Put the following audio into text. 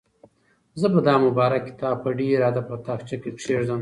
زه به دا مبارک کتاب په ډېر ادب په تاقچه کې کېږدم.